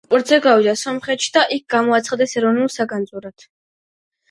საგანძური ექსპორტზე გავიდა სომხეთში და იქ გამოაცხადეს ეროვნულ საგანძურად.